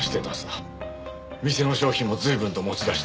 店の商品も随分と持ち出した。